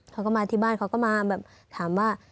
เขาก็มาที่บ้านเขาก็มาแบบถามว่า